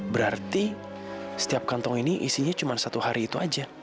berarti setiap kantong ini isinya cuma satu hari itu aja